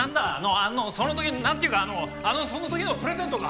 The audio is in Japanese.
あのその時のなんていうかあのその時のプレゼントか？